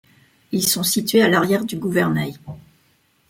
Ils sont situés à l'arrière du gouvernail.